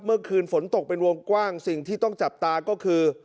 เมื่อคืนฝนตกเป็นวงกว้างสิ่งที่ต้องจับตาก็คือ